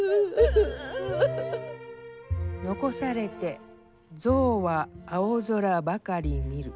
「遺されて象は青空ばかり見る」。